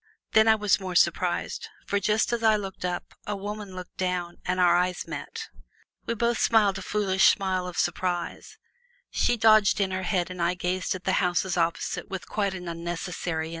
Then I was more surprised; for just as I looked up, a woman looked down and our eyes met. We both smiled a foolish smile of surprise; she dodged in her head and I gazed at the houses opposite with an interest quite unnecessary.